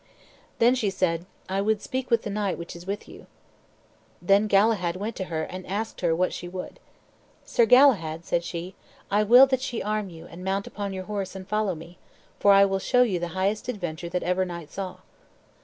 Then she said, "I would speak with the knight which is with you." Then Galahad went to her, and asked her what she would. "Sir Galahad," said she, "I will that ye arm you, and mount upon your horse, and follow me; for I will show you the highest adventure that ever knight saw."